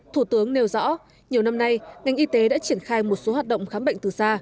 thủ tướng nêu rõ nhiều năm nay ngành y tế đã triển khai một số hoạt động khám bệnh từ xa